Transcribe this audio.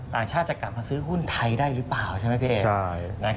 ต่างชาติจะกลับมาซื้อหุ้นไทยได้หรือเปล่าใช่ไหมพี่เอก